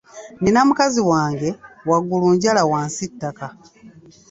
Nina mukazi wange, waggulu njala wansi ttaka.